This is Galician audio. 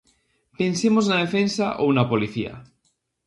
Pensemos na defensa ou na policía.